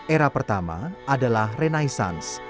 era pertama adalah renaissance